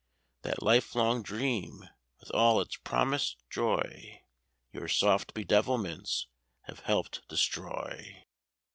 That lifelong dream with all its promised joy Your soft bedevilments have helped destroy.